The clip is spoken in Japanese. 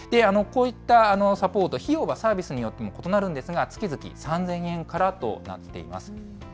こういったサポート、費用はサービスによっても異なるんですが、月々３０００円からとなっています。